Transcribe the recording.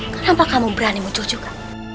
kenapa kamu berani butuh juga